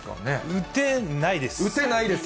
打てないですよね。